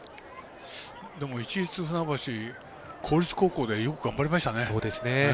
でも、市立船橋、公立高校ではよく頑張りましたね。